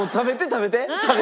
食べて！